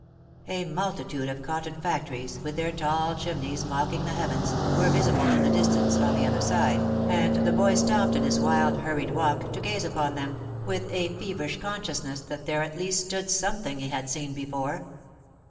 A multitude of cotton factories, with their tall chimneys mocking the heavens, were visible in the distance, on the other side, and the boy stopped in his wild, hur ried walk, to gaze upon them, with a feverish consciousness that there at least stood something he had seen before.